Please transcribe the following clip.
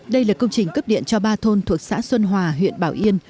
đây là công trình cấp điện cho ba thôn thuộc xã xuân hòa huyện bảo yên